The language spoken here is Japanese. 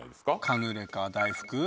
カヌレか大福？